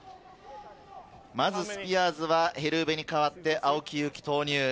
まずスピアーズはヘル・ウヴェに代わって青木祐樹投入。